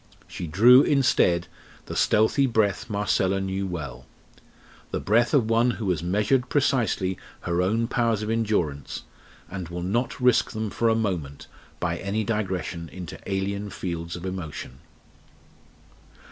She drew, instead, the stealthy breath Marcella knew well the breath of one who has measured precisely her own powers of endurance, and will not risk them for a moment by any digression into alien fields of emotion.